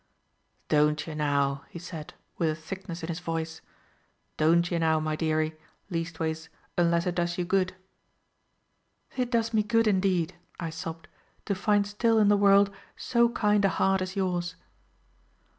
"Don't ye now," he said, with a thickness in his voice, "don't ye now, my dearie, leastways unless it does you good." "It does me good, indeed," I sobbed, "to find still in the world so kind a heart as yours."